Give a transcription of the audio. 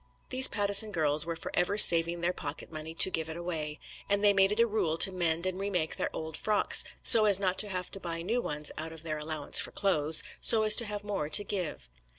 These Pattison girls were for ever saving their pocket money to give it away, and they made it a rule to mend and remake their old frocks, so as not to have to buy new ones out of their allowance for clothes, so as to have more to give.